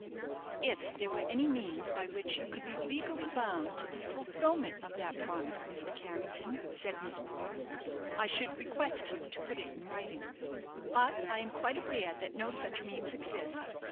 "If there were any means by which you could be legally bound to the fulfilment of that promise, Mr. Carrington," said Miss Brewer, "I should request you to put it in writing. But I am quite aware that no such means exist.